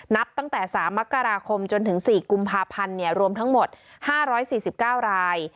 นับตั้งแต่๓มกราคมจนถึง๔กุมภาพันธ์รวมทั้งหมด๕๔๙ราย